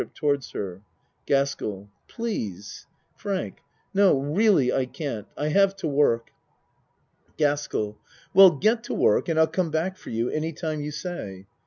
towards her.) GASKELL Please. FRANK No really I can't. I have to work. GASKELL Well get to work and I'll come back for you any time you say.